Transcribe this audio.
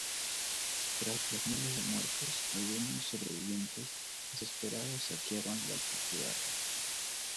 Tras los miles de muertos, algunos sobrevivientes desesperados saquearon lo que quedaba.